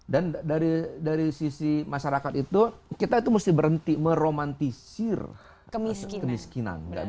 dan dari sisi masyarakat itu kita itu mesti berhenti meromantisir kemiskinan